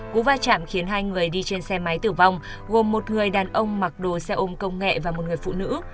cú va chạm khiến hai người đi trên xe máy tử vong gồm một người đàn ông mặc đồ xe ôm công nghệ và một người phụ nữ